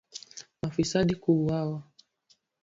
Mafisadi kuuawa